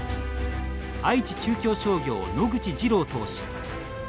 愛知・中京商業、野口二郎投手。